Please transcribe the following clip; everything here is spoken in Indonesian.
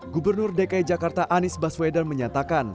gubernur dki jakarta anies baswedan menyatakan